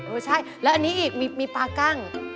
เออใช่แล้วอันนี้อีกมีปลากั้ง